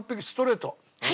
ストレート。